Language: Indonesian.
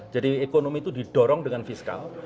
jadi ekonomi itu didorong dengan fiskal